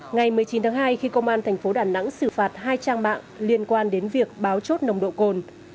ngày một mươi chín tháng hai khi công an thành phố đà nẵng xử phạt hai trang mạng liên quan đến việc báo chốt nồng độ cồn